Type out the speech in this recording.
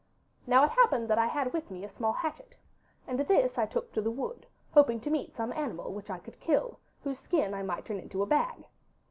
'Now it happened that I had with me a small hatchet, and this I took to the wood, hoping to meet some animal which I could kill, whose skin I might turn into a bag.